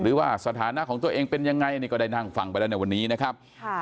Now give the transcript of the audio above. หรือว่าสถานะของตัวเองเป็นยังไงก็ได้นั่งฟังไปให้ในวันนี้นะครับ